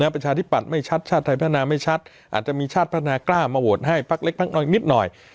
ประชาทิบปัดไม่ชัดชาติภาคนาไม่ชัดอาจจะมีชาติภาคนากล้ามาโหวตให้พักเล็กนิดหน่อย